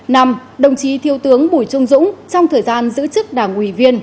năm đồng chí thiếu tướng bùi trung dũng trong thời gian giữ chức đảng ủy viên